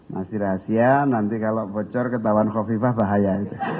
masih rahasia nanti kalau bocor ketahuan kofifah bahaya